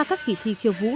các kỷ thi khiêu vũ